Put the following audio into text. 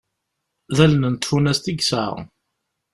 D allen n tfunast i yesɛa.